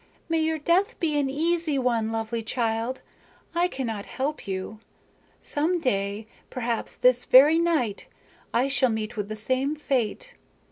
"May your death be an easy one, lovely child. I cannot help you. Some day, perhaps this very night, I shall meet with the same fate.